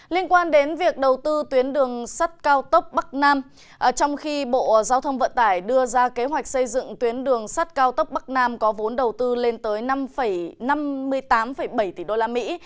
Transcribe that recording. liên quan đến việc đầu tư tuyến đường sắt cao tốc bắc nam trong khi bộ giao thông vận tải đưa ra kế hoạch xây dựng tuyến đường sắt cao tốc bắc nam có vốn đầu tư lên tới năm năm mươi tám bảy tỷ đô la mỹ